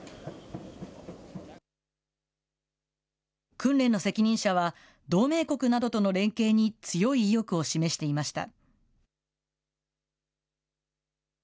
訓練の責任者は、同盟国などとの連携に強い意欲を示していました。